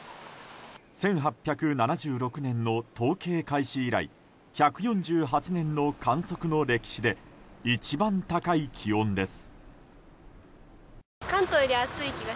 １８７６年の統計開始以来１４８年の観測の歴史で一番高い気温です。